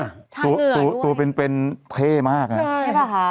ด้วยตัวตัวเป็นเป็นเพชรมากอ่ะใช่ป่ะฮะ